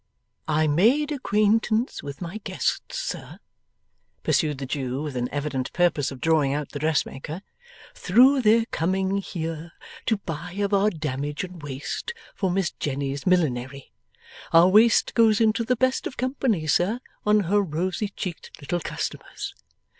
'I made acquaintance with my guests, sir,' pursued the Jew, with an evident purpose of drawing out the dressmaker, 'through their coming here to buy of our damage and waste for Miss Jenny's millinery. Our waste goes into the best of company, sir, on her rosy cheeked little customers.